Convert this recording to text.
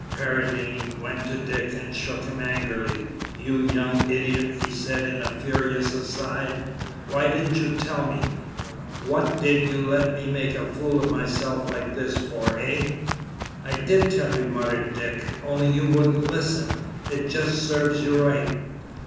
Paradine went to Dick and shook him angrily: "You young idiot!" he said, in a furious aside, "why didn't you tell me? What did you let me make a fool of myself like this for, eh?" "I did tell you," muttered Dick, "only you wouldn't listen. It just serves you right!"